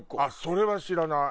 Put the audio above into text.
それは知らない。